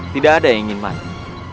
tidak ada yang ingin mati